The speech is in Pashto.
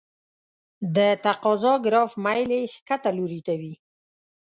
د تقاضا ګراف میل یې ښکته لوري ته وي.